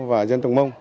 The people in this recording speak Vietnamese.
và dân tộc mông